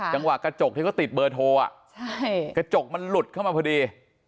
จังหวะกระจกที่เขาติดเบอร์โทรกระจกมันหลุดเข้ามาพอดี